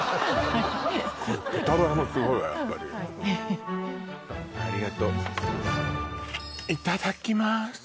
豚バラもすごいわやっぱりありがとういただきます